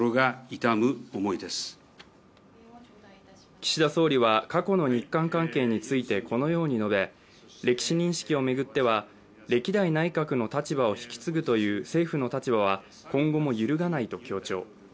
岸田総理は過去の日韓関係についてこのように述べ歴史認識を巡っては、歴代内閣の立場を引き継ぐという政府の立場は今後も揺るがないと強調。